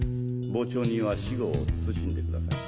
傍聴人は私語を慎んでください。